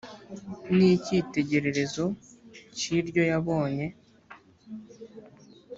n icyitegererezo cy iryo yabonye